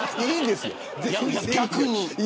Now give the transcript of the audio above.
逆に。